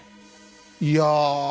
いや。